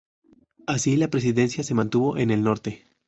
Así la presidencia se mantuvo en el norte.